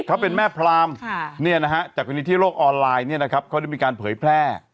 เขาเป็นแม่พราหมณ์เนี่ยนะฮะจากวันนี้ที่โลกออนไลน์เนี่ยนะครับเขาได้มีการเผยแพร่